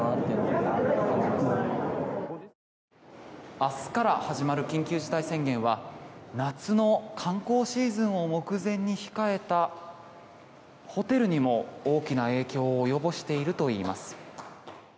明日から始まる緊急事態宣言は夏の観光シーズンを目前に控えたホテルにも大きな影響を及ぼしているといいます。